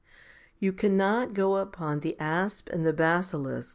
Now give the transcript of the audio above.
2 2. You cannot go upon the asp and basilisk?